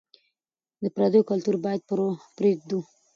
د پرديو کلتور بايد پرېږدو.